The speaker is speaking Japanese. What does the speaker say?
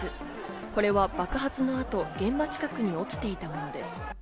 これは爆発の後、現場近くに落ちていたものです。